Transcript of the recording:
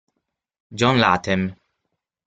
John Latham